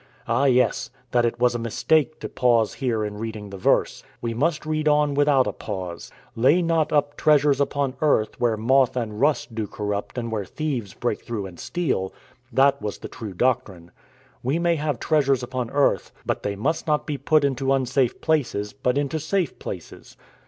Ah, yes that it was a mistake to pause here in reading the verse. We must read on without a pause Lay not up treasures upon earth where moth and rust do corrupt and where thieves break through and steal that was the true doctrine. We may have treasures upon earth, but they must not be put into unsafe places, but into safe places.